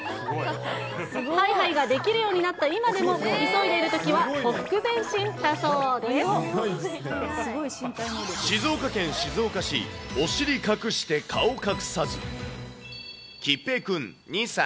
はいはいができるようになった今でも、急いでいるときはほふく前静岡県静岡市、お尻隠して顔隠さず。